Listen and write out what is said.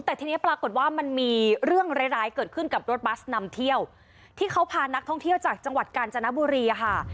แต่ทีนี้ปรากฏว่ามันมีเรื่องร้ายร้ายเกิดขึ้นกับรถบัสนำเที่ยวที่เขาพานักท่องเที่ยวจากจังหวัดกาญจนบุรีค่ะ